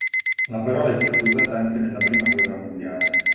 La parola è stata usata anche nella prima guerra mondiale.